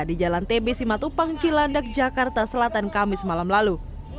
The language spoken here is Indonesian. di jalan tb simatupang cilandak jakarta selatan kamis malam lalu